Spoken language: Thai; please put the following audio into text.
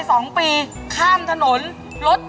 ส่อที่ศาสนงรัฐ